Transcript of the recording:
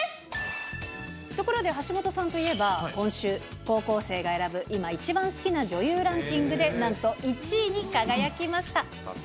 ところで橋本さんといえば、今週、高校生が選ぶ今一番好きな女優ランキングで、なんと１位に輝きました。